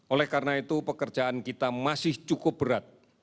oleh karena itu pekerjaan kita masih cukup berat